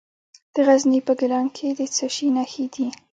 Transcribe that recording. د غزني په ګیلان کې د څه شي نښې دي؟